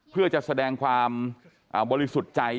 เพื่อจะแสดงความบริสุทธิ์ใจ